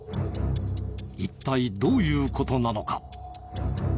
一体どういう事なのか？